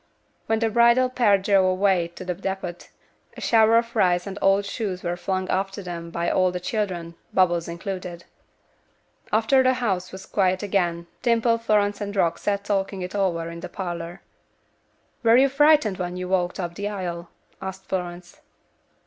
When the bridal pair drove away to the depot, a shower of rice and old shoes were flung after them by all the children, Bubbles included. After the house was quiet again, Dimple, Florence and Rock sat talking it all over in the parlor. "Were you frightened when you walked up the aisle?" asked Florence.